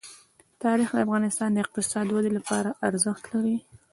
تاریخ د افغانستان د اقتصادي ودې لپاره ارزښت لري.